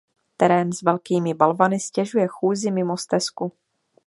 Terén s velkými balvany ztěžuje chůzi mimo stezku.